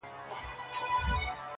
څه به وسي دا یوه که پکښي زما سي-